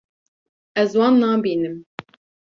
Ez wan nabînim.